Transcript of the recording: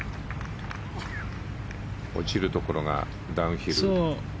落ちるところが、ダウンヒル。